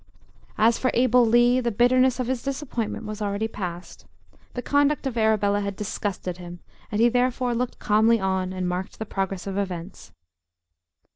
As for Abel Lee, the bitterness of his disappointment was already past. The conduct of Arabella had disgusted him, and he therefore looked calmly on and marked the progress of events.